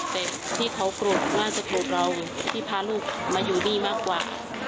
แต่ที่เขาโกรธน่าจะถูกเราที่พาลูกมาอยู่นี่มากกว่า